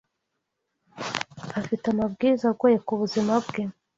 afite amabwiriza agoye ku buzima bwe,